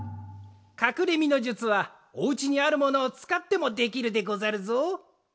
かくれ身の術はお家にあるものをつかってもできるでござるぞ。